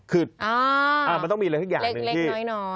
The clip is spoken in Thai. คือมันต้องมีอะไรสักอย่างหนึ่ง